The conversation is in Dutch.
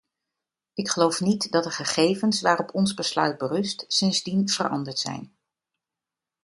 Ik geloof niet dat de gegevens waarop ons besluit berust sindsdien veranderd zijn.